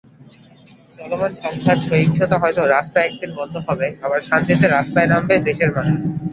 চলমান সংঘাত-সহিংসতা হয়তো একদিন বন্ধ হবে, আবার শান্তিতে রাস্তায় নামবে দেশের মানুষ।